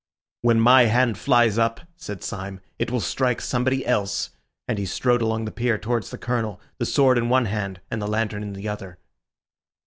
"When my hand flies up," said Syme, "it will strike somebody else," and he strode along the pier towards the Colonel, the sword in one hand and the lantern in the other.